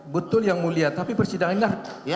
betul yang mulia tapi persidangan ini lah